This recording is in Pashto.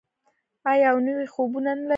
آیا او نوي خوبونه نلري؟